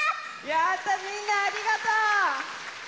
やったみんなありがとう！